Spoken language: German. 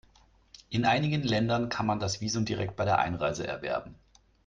In einigen Ländern kann man das Visum direkt bei der Einreise erwerben.